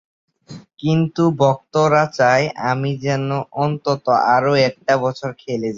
কিন্তু ভক্তরা চায়, আমি যেন অন্তত আরও একটা বছর খেলে যাই।